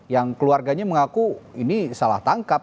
yang keluarganya mengaku ini salah tangkap